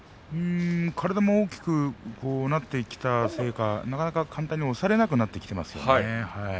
体も大きくなってきたせいかなかなか簡単に押されなくなってきていますよね。